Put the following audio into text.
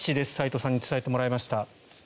齋藤さんに伝えてもらいました。